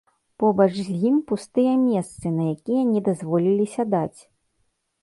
Побач з ім пустыя месцы, на якія не дазволілі сядаць.